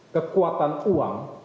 kekuatan politik yang berada di dalamnya